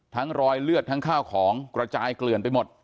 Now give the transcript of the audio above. รอยเลือดทั้งข้าวของกระจายเกลื่อนไปหมด